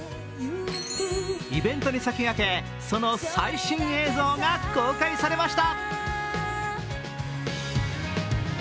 イベントに先駆け、その最新映像が公開されました。